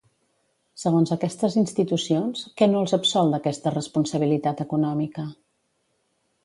Segons aquestes institucions, què no els absol d'aquesta responsabilitat econòmica?